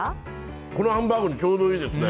このハンバーグにちょうどいいですね。